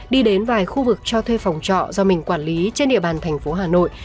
đi đến vài khu vực cho thuê phòng trọ do mình quản lý trên địa bàn thành phố hà nội